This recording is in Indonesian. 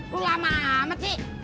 lu lama amat sih